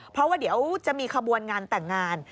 เพราะว่าเดี๋ยวจะมีขบวนงานแต่งงาน